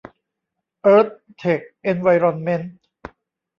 เอิร์ธ เท็ค เอนไวรอนเมนท์